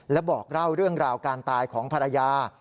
และบอกเล่าเรื่องราวการตายของภรรยา